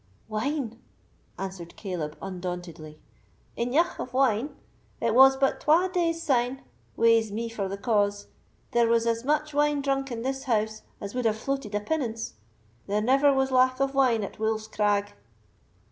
"Wine!" answered Caleb, undauntedly, "eneugh of wine! It was but twa days syne—wae's me for the cause—there was as much wine drunk in this house as would have floated a pinnace. There never was lack of wine at Wolf's Crag."